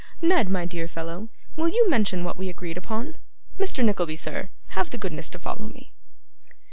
Ned, my dear fellow, will you mention what we agreed upon? Mr. Nickleby, sir, have the goodness to follow me.